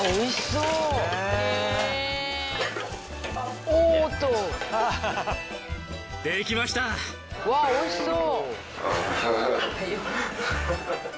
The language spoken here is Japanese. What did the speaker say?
うわっおいしそう！